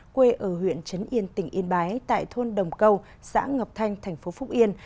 quê ở huyện trấn yên tỉnh yên bái tại thôn đồng cầu xã ngọc thanh tp phúc yên